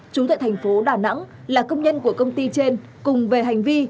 chú tại thành phố đà nẵng là công nhân của công ty trên cùng về hành vi